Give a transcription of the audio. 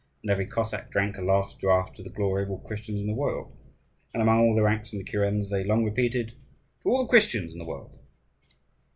And every Cossack drank a last draught to the glory of all Christians in the world. And among all the ranks in the kurens they long repeated, "To all the Christians in the world!"